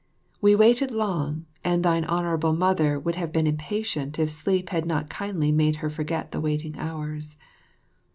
We waited long, and thine Honourable Mother would have been impatient if sleep had not kindly made her forget the waiting hours.